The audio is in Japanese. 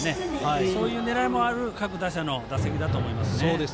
そういう狙いもある各打者の打席だと思います。